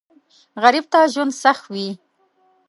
غریب ته ژوند سخت وي